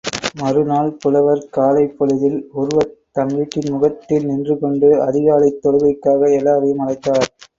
மறு நாள் புலர்காலைப் பொழுதில் உர்வத், தம் வீட்டின் முகட்டில் நின்று கொண்டு அதிகாலைத் தொழுகைக்காக எல்லோரையும் அழைத்தார்.